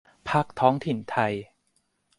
พรรคท้องถิ่นไทย